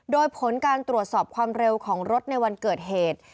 โดยผลการตรวจสอบความเร็วของรถในวันเกิดเหตุ